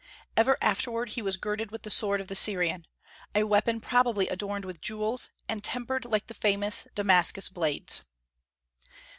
Ever afterward he was girded with the sword of the Syrian, a weapon probably adorned with jewels, and tempered like the famous Damascus blades.